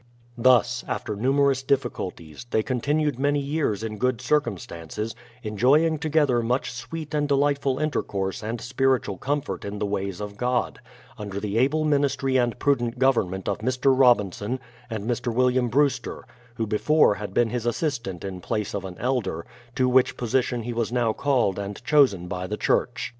Thus, after numerous difficulties, they continued many years in good circumstances, enjoying together much sweet and delightful intercourse and spiritual comfort in the ways of God, under the able ministry and prudent government of Mr. Robinson, and Mr. William Brewster, who before had been his assistant in place of an Elder, to which position he was now called and chosen by the church.